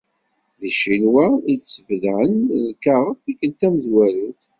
Deg Ccinwa i d-ssbedεen lkaɣeḍ tikelt tamezwarut.